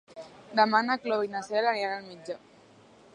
Demà na Cloè i na Cel aniran al metge.